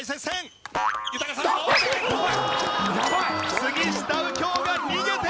杉下右京が逃げています！